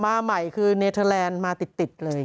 มาใหม่ตั้งแต่เปนแลนด์มาตริดเลย